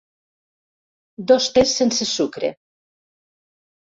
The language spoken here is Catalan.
Dos tes sense sucre”.